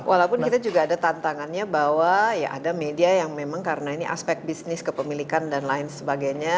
walaupun kita juga ada tantangannya bahwa ya ada media yang memang karena ini aspek bisnis kepemilikan dan lain sebagainya